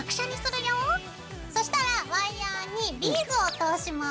そしたらワイヤーにビーズを通します。